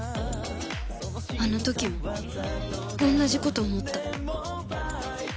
あの時も同じ事思った